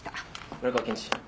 村川検事。